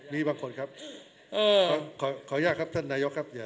มีบางคนครับขออนุญาตครับท่านนายกครับ